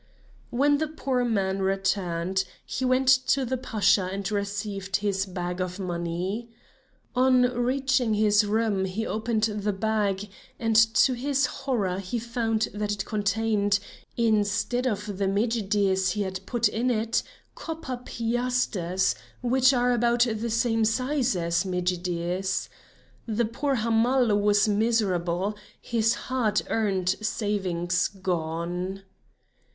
When the poor man returned, he went to the Pasha and received his bag of money. On reaching his room he opened the bag, and to his horror found that it contained, instead of the medjidies he had put in it, copper piasters, which are about the same size as medjidies. The poor Hamal was miserable, his hard earned savings gone.